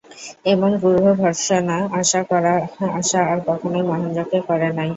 এমন গূঢ়ভর্ৎসনা আশা আর কখনোই মহেন্দ্রকে করে নাই।